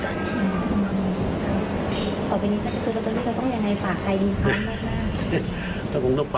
แค่นั้นยังไม่พอ